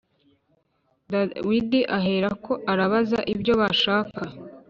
Dawidi aherako arabaza ibyo bashaka